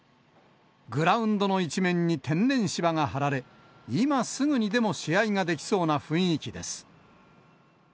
グラウンドの一面に天然芝が張られ、今すぐにでも試合が出来そうな雰囲気です。